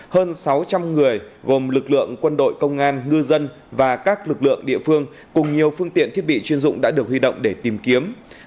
hơn sáu trăm linh người gồm lực lượng quân đội công an ngư dân và các lực lượng địa phương cùng nhiều phương tiện thiết bị chuyên dụng đã được huy động để tìm kiếm